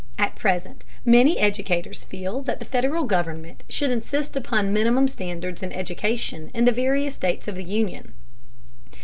At present many educators feel that the Federal government should insist upon minimum standards in education in the various states of the Union.